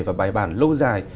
và bài bản lâu dài